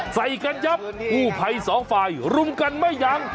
ใส่กันยับกู้ภัยสองฝ่ายรุมกันไม่ยัง